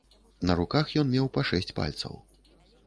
На руках ён меў па шэсць пальцаў.